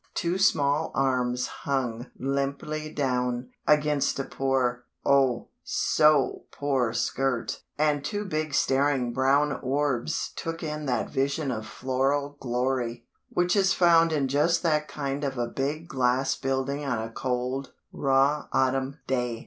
_ Two small arms hung limply down, against a poor, oh, so poor skirt; and two big staring brown orbs took in that vision of floral glory, which is found in just that kind of a big glass building on a cold, raw autumn day.